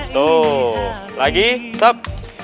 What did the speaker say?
tuh lagi stop